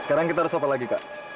sekarang kita harus apa lagi kak